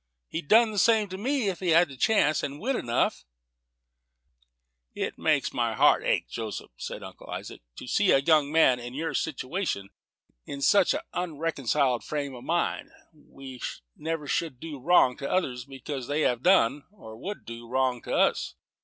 "He'd done the same to me, if he'd had the chance, and wit enough." [Illustration: JOE GRIFFIN IN THE HONEY POT. Page 139.] "It makes my heart ache, Joseph," said Uncle Isaac, "to see a young man in your situation in such an unreconciled frame of mind; we never should do wrong to others because they have done, or would do, wrong to us.